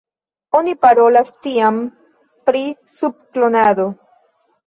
Oni parolas tiam pri sub-klonado.